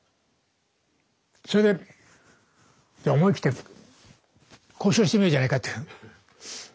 それでじゃ思い切って交渉してみようじゃないかと。